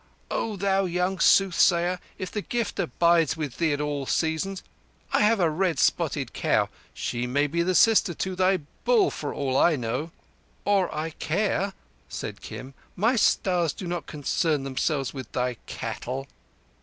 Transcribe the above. "O thou young soothsayer, if the gift abides with thee at all seasons, I have a red spotted cow. She may be sister to thy Bull for aught I know—" "Or I care," said Kim. "My Stars do not concern themselves with thy cattle."